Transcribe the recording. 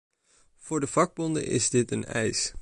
Voor de vakbonden is dit een eis.